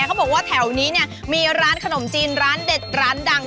เขาบอกว่าแถวนี้เนี่ยมีร้านขนมจีนร้านเด็ดร้านดัง